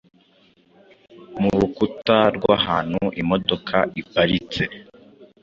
murukuta rw'ahantu imodoka iparitse